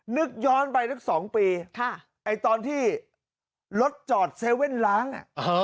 นึกย้อนไปนึกสองปีค่ะไอตอนที่รถจอดเซเว่นล้างอ่ะอ่อ